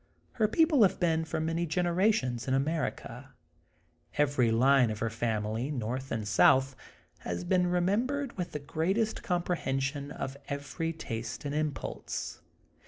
Her people have been for many generations in America. Every line of her family, north and south, has been re membered with the greatest comprehension of every taste and impulse.